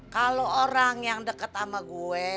kalau orang yang dekat sama gue